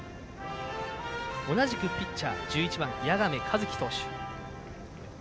同じくピッチャー、１１番谷亀和希投手。